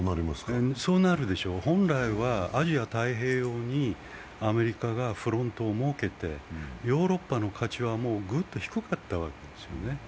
そうなるでしょう、本来はアジア太平洋にアメリカがフロントを設けてヨーロッパの価値は、ぐっと低かったわけです。